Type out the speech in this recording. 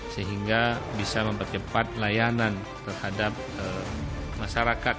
sehingga bisa mempercepat layanan terhadap masyarakat